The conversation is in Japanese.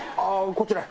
こちらへ。